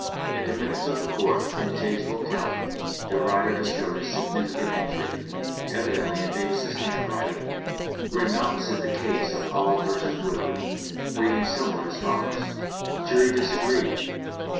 In the minutes of the court in Tazewell County the writer dis covered a significant entry, evidently in Davis's handwriting, written opposite the case of Hall v. Woodward, reading somewhat as follows: "Jury disagreed.